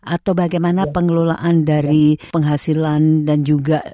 atau bagaimana pengelolaan dari penghasilan dan juga